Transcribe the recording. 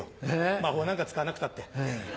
魔法なんか使わなくたって。